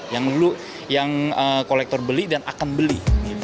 yang dulu yang kolektor beli dan akan beli